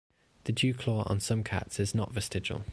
The dewclaw on some cats is not vestigial.